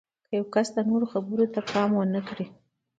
که یو کس د نورو خبرو ته پام ونه کړي